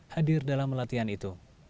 hadir dalam latihan itu